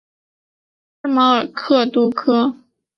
圣马尔克杜科。